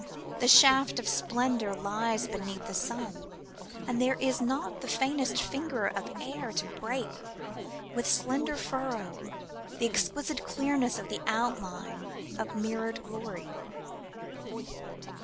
A shaft of splendour lies beneath the sun, and there is not the faintest finger of air to break with slender furrow the exquisite clearness of the outline of mirrored glory.